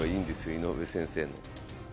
井上先生の。